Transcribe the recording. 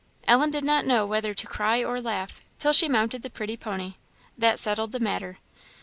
Ellen did not know whether to cry or laugh till she mounted the pretty pony; that settled the matter.